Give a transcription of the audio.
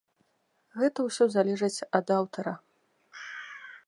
Гэта ўсё залежыць ад аўтара.